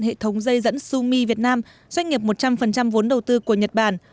hệ thống dây dẫn sumi việt nam doanh nghiệp một trăm linh vốn đầu tư của nhật bản